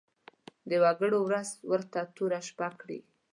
د وګړو ورځ ورته توره شپه کړي.